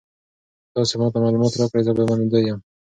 که تاسي ما ته معلومات راکړئ زه به منندوی یم.